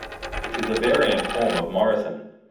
It is a variant form of Morrison.